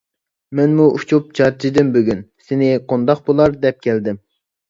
مەنمۇ ئۇچۇپ چارچىدىم بۈگۈن، سىنى قونداق بولار دەپ كەلدىم.